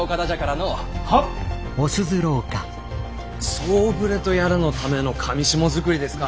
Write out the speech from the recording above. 「総触れ」とやらのための裃づくりですか。